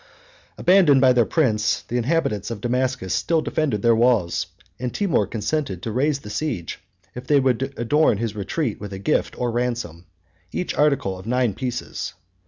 Abandoned by their prince, the inhabitants of Damascus still defended their walls; and Timour consented to raise the siege, if they would adorn his retreat with a gift or ransom; each article of nine pieces.